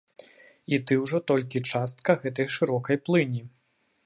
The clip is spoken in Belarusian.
І ты ўжо толькі частка гэтай шырокай плыні.